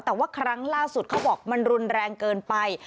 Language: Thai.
แต่ว่าครั้งล่าสุดเขาบอกมันรุนแรงเกินไป